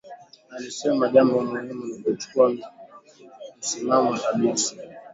Alisema jambo muhimu ni kuchukua msimamo thabiti